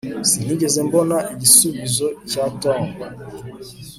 sinigeze mbona igisubizo cya tom